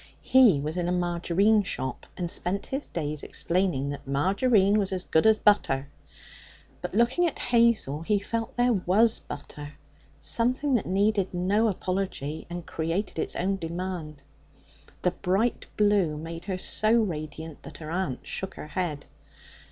He was in a margarine shop, and spent his days explaining that Margarine was as good as butter. But, looking at Hazel, he felt that here was butter something that needed no apology, and created its own demand. The bright blue made her so radiant that her aunt shook her head.